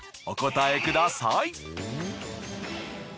お答えください。